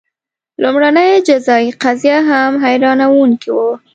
لومړنۍ جزايي قضیه هم حیرانوونکې وه.